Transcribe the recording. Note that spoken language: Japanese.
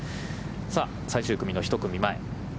さあ、最終組の１組前。